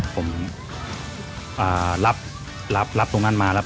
ผมรับตรงนั้นมา